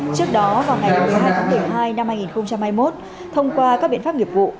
trước đó vào ngày một mươi hai tháng một mươi hai năm hai nghìn hai mươi một thông qua các biện pháp nghiệp vụ